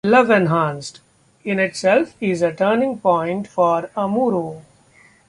"Love Enhanced" in itself is a turning point for Amuro.